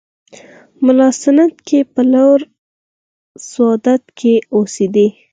ملا سنډکی په لوړ سوات کې اوسېدی.